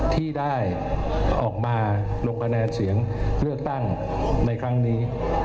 ที่ได้ออกมาลงคะแนนเสียงเลือกตั้งในครั้งนี้